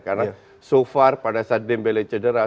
karena so far pada saat dembele cedera